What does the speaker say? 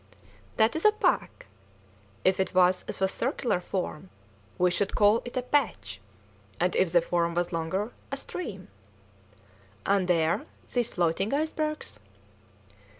"That is a pack; if it was of a circular form we should call it a patch; and, if the form was longer, a stream." "And there, those floating icebergs?"